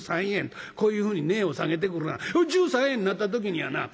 こういうふうに値を下げてくるが１３円になった時にはな